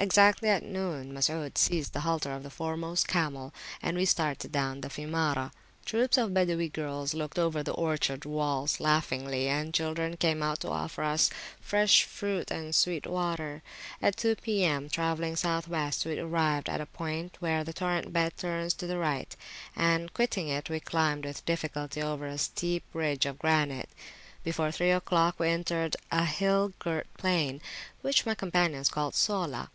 Exactly at noon Masud seized the halter of the foremost camel, and we started down the Fiumara. Troops of Badawi girls looked over the orchard walls laughingly, and children came out to offer us fresh fruit and sweet water. At two P.M., travelling South west, we arrived at a point where the torrent bed turns to the right[;] and, quitting it, we climbed with difficulty over a steep ridge of granite. Before three oclock we entered a hill girt plain, which my companions called Sola.